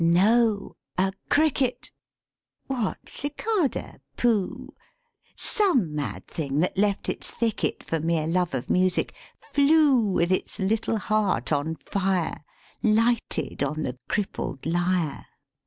No! a cricket (What 'cicada'? Pooh!) Some mad thing that left its thicket For mere love of music flew With its little heart on fire, Lighted on the crippled lyre.